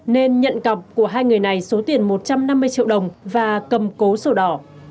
nên nhận cọc của hai người này số tiền một trăm năm mươi triệu đồng và cầm cố sổ đỏ